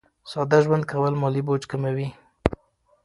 ساده ژوند کول مالي بوج کموي.